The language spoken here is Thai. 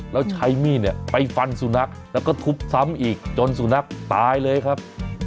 แล้วใช้มีดเนี่ยไปฟันสุนัขแล้วก็ทุบซ้ำอีกจนสุนัขตายเลยครับ